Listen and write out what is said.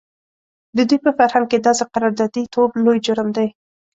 د دوی په فرهنګ کې داسې قراردادي توب لوی جرم دی.